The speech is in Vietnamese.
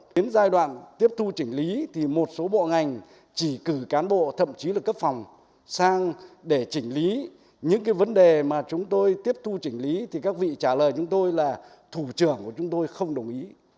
đến giai đoạn tiếp thu chỉnh lý thì một số bộ ngành chỉ cử cán bộ thậm chí là cấp phòng sang để chỉnh lý những cái vấn đề mà chúng tôi tiếp thu chỉnh lý thì các vị trả lời chúng tôi là thủ trưởng của chúng tôi không đồng ý